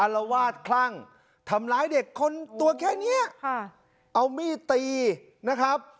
ละวาดคลั่งทำร้ายเด็กคนตัวแค่เนี้ยค่ะเอามีดตีนะครับ